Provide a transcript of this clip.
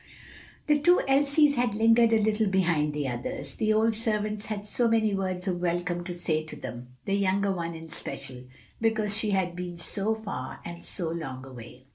The two Elsies had lingered a little behind the others the old servants had so many words of welcome to say to them the younger one in especial, because she had been so far and so long away.